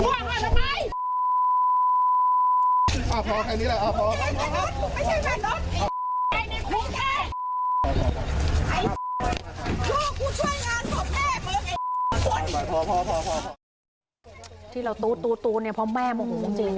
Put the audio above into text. พอพอพอพอพอที่เราตู้ตู้ตู้เนี้ยเพราะแม่โมโหกจริง